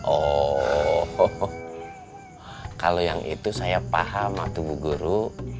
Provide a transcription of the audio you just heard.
oh kalau yang itu saya paham atuk bu guru